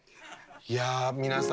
いや皆さん